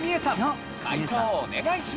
解答お願いします。